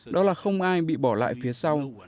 đó là không ai bị bỏ lại phía sau